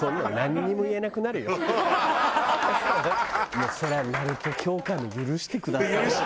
もうそれはナルト協会も許してくださいよ。